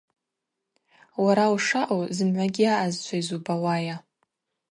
Уара ушаъу зымгӏвагьи аъазшва йзубауайа?